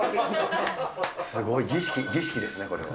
すごい、儀式ですね、これは。